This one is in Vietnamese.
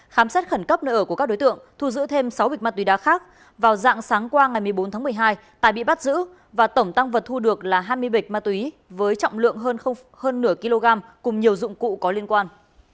khám xét khẩn cấp nơi ở của các đối tượng thu giữ thêm sáu bịch ma túy đá khác vào dạng sáng qua ngày một mươi bốn tháng một mươi hai tài bị bắt giữ và tổng tăng vật thu được là hai mươi bịch ma túy với trọng lượng hơn nửa kg cùng nhiều dụng cụ có liên quan